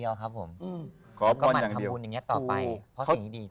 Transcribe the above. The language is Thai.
แล้วทำวงแบบนี้ต่อไปเพราะสิ่งให้ดี